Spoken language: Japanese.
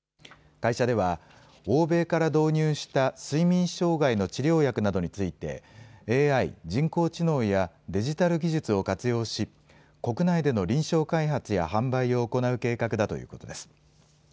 会社では欧米から導入した睡眠障害の治療薬などについてＡＩ・人工知能やデジタル技術を活用し国内での臨床開発や販売を行う計画だということです。